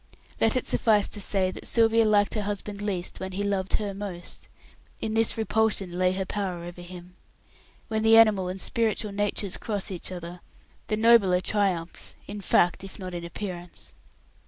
Let it suffice to say that Sylvia liked her husband least when he loved her most. In this repulsion lay her power over him. When the animal and spiritual natures cross each other, the nobler triumphs in fact if not in appearance.